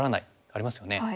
ありますよね。